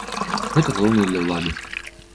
Гэта галоўнае для ўлады.